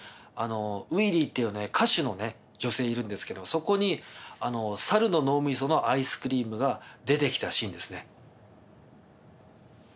ウィリーっていう歌手の女性いるんですけどもそこにサルの脳みそのアイスクリームが出て来たシーンですね。